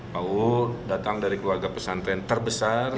pak uu datang dari keluarga pesantren terbesar